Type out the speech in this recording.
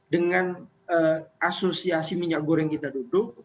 dengan asosiasi minyak goreng kita duduk